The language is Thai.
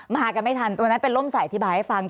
มากันไม่ทันวันนั้นเป็นร่มใส่อธิบายให้ฟัง